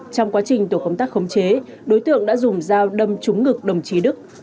trong quá trình tổ công tác khống chế đối tượng đã dùng dao đâm trúng ngực đồng chí đức